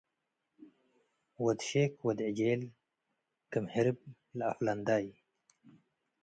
ወድ ሼክ ወድ ዕጄል - ክም ህርብ ለአፍለንዳይ